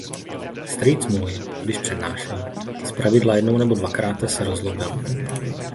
Strýc můj, když přednášel, z pravidla jednou nebo dvakráte se rozzlobil.